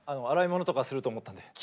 洗い物とかすると思ったんで。